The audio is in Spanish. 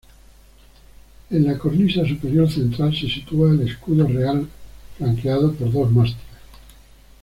En la cornisa superior central se sitúa el escudo real flanqueado por dos mástiles.